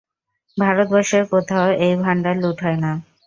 ভারতবর্ষের কোথাও এই ভান্ডার লুট হয়না।